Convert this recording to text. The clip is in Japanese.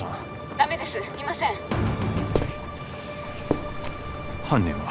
ダメですいません犯人は？